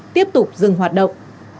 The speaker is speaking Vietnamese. tiếp tục dừng hoạt động